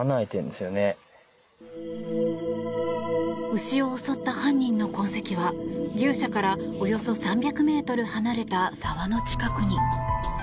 牛を襲った犯人の痕跡は牛舎からおよそ３００ｍ離れた沢の近くに。